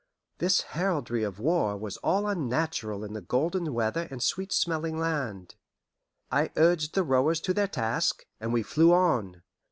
This heraldry of war was all unnatural in the golden weather and sweet smelling land. I urged the rowers to their task, and we flew on.